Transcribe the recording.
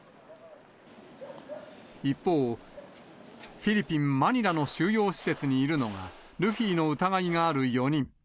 一方、フィリピン・マニラの収容施設にいるのが、ルフィの疑いのある４人。